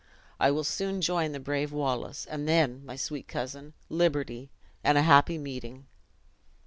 I will soon join the brave Wallace; and then, my sweet cousin, liberty, and a happy meeting!"